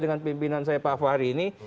dengan pimpinan saya pak fahri ini